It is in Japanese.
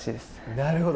なるほど。